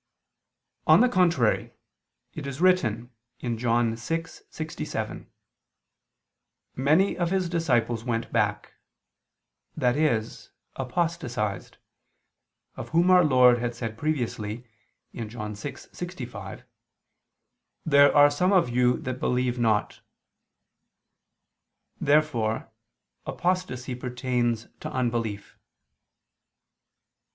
On the contrary, It is written (John 6:67): "Many of his disciples went back," i.e. apostatized, of whom Our Lord had said previously (John 6:65): "There are some of you that believe not." Therefore apostasy pertains to unbelief.